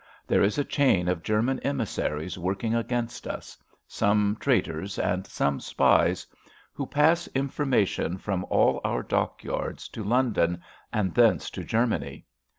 There is a chain of German emissaries working against us—some traitors and some spies—who pass information from all our dockyards to London, and thence to Germany.